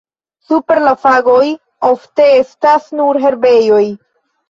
Super la fagoj ofte estas nur herbejoj.